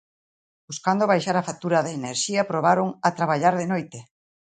Buscando baixar a factura da enerxía probaron a traballar de noite.